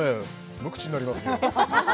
無口になりますよ